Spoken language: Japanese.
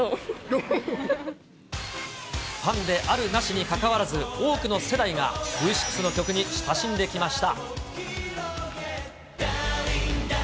ファンであるなしにかかわらず、多くの世代がＶ６の曲に親しんできました。